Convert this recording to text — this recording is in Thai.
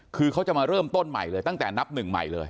คือเขาจะมาเริ่มต้นใหม่เลยตั้งแต่นับหนึ่งใหม่เลย